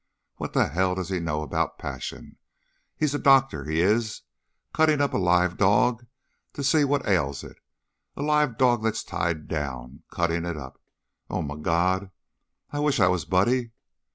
_ What the hell does he know about passion? He's a doctor, he is, cuttin' up a live dog to see what ails it. A live dog that's tied down! Cuttin' it up Oh, my God, I wish I was Buddy!"